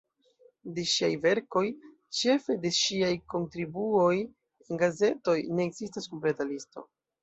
De ŝiaj verkoj, ĉefe de ŝiaj kontribuoj en gazetoj, ne ekzistas kompleta listo.